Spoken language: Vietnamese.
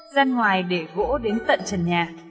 gian ngoài để gỗ đến tận trần nhà